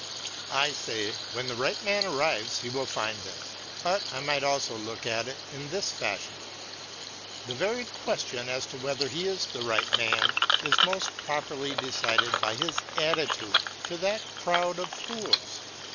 I say, when the right man arrives he will find this; but I might also look at it in this fashion: the very question as to whether he is the right man is most properly decided by his attitude to that crowd of fools.